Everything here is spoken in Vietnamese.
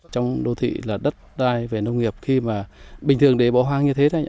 trong đô thị là đất đai về nông nghiệp khi mà bình thường để bỏ hoang như thế thôi nhé